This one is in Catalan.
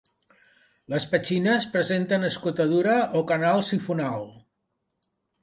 Les petxines presenten escotadura o canal sifonal.